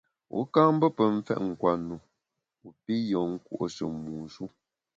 Wu ka mbe pe mfèt nkwenu wu pi yùen nkùo’she mu shu.